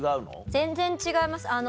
全然違います。